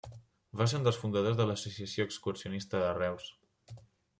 Va ser un dels fundadors de l'Associació Excursionista de Reus.